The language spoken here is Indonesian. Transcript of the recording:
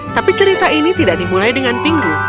tapi cerita ini tidak dimulai dengan pingu